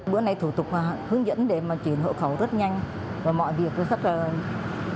bữa nay thủ tục hướng dẫn để mà chuyển hộ khẩu rất nhanh và mọi việc rất là ngoài chất tưởng tượng